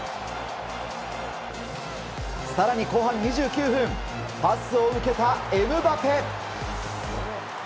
更に後半２９分パスを受けた、エムバペ。